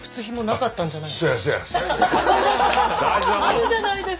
あるじゃないですか！